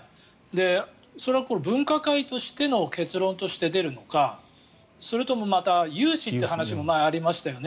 それは分科会としての結論として出るのかそれとも、また有志という話もありましたよね。